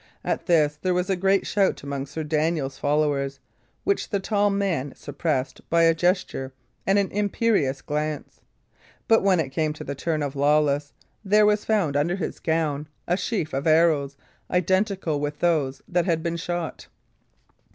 At this there was a great shout among Sir Daniel's followers, which the tall man suppressed by a gesture and an imperious glance. But when it came to the turn of Lawless, there was found under his gown a sheaf of arrows identical with those that had been shot.